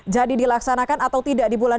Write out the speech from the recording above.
jadi dilaksanakan atau tidak dibulakan